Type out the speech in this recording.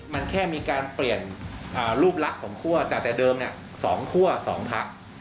มันแค่มีการเปลี่ยนอ่ารูปลักษณ์ของคั่วจากแต่เดิมเนี้ยสองคั่วสองพัก